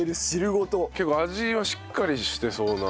結構味はしっかりしてそうな。